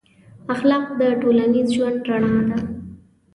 اخلاق د ټولنیز ژوند رڼا ده.